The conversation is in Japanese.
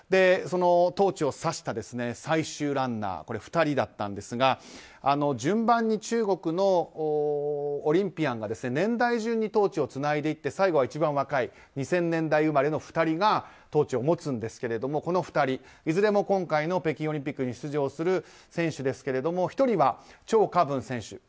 そのトーチを挿した最終ランナー２人だったんですが順番に中国のオリンピアンが年代順にトーチをつないでいって最後は一番若い２０００年代生まれの２人がトーチを持つんですけれどもこの２人、いずれも今回の北京オリンピックに出場する選手ですが１人はチョウ・カブン選手。